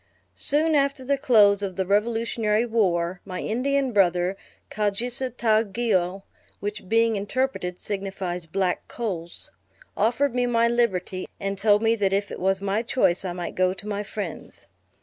Soon after the close of the revolutionary war, my Indian brother, Kau jises tau ge au (which being interpreted signifies Black Coals,) offered me my liberty, and told me that if it was my choice I might go to my friends.